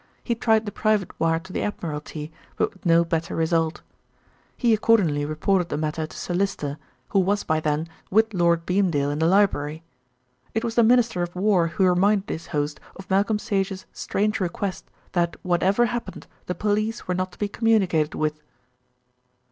He tried the private wire to the Admiralty; but with no better result. He accordingly reported the matter to Sir Lyster, who was by then with Lord Beamdale in the library. It was the Minister of War who reminded his host of Malcolm Sage's strange request that whatever happened the police were not to be communicated with.